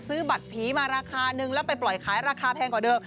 บัตรผีมาราคานึงแล้วไปปล่อยขายราคาแพงกว่าเดิม